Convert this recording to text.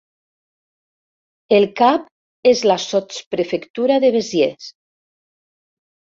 El cap és la sotsprefectura de Besiers.